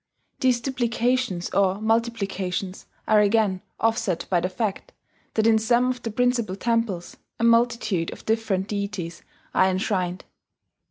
These duplications or multiplications are again offset by the fact that in some of the principal temples a multitude of different deities are enshrined.